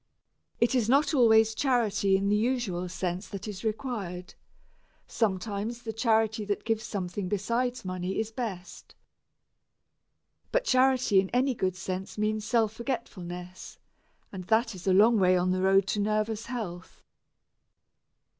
It is not always charity in the usual sense that is required; sometimes the charity that gives something besides money is best. But charity in any good sense means self forgetfulness, and that is a long way on the road to nervous health.